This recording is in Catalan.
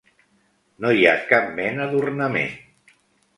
No hi ha cap mena d'ornament.